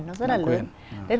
nó rất là lớn